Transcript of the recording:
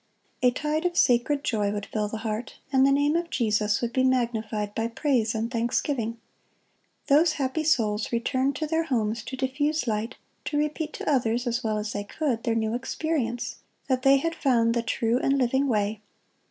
A tide of sacred joy would fill the heart, and the name of Jesus would be magnified by praise and thanksgiving. Those happy souls returned to their homes to diffuse light, to repeat to others, as well as they could, their new experience; that they had found the true and living Way.